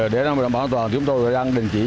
đến năm hai nghìn hai mươi chúng tôi đang đình chỉ